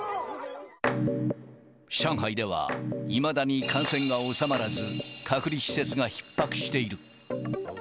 上海では、いまだに感染が収まらず、隔離施設がひっ迫している。